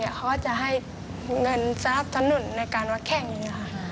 เขาก็จะให้เงินสนับสนุนในการวัดแข่งค่ะ